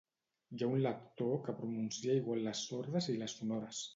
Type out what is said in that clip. Hi ha un lector que pronuncia igual les sordes i les sonores